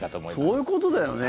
そういうことだよね。